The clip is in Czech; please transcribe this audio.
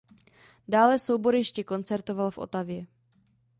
Dále soubor ještě koncertoval v Ottawě.